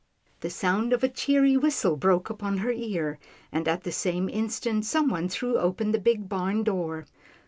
The sound of a cheery whistle broke upon her ear, and at the same instant, someone threw open the big barn door.